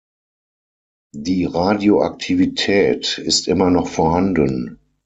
Die Radioaktivität ist immer noch vorhanden.